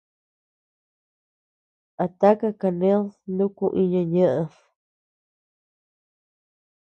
¿A taka kaned nuku iña ñeʼed?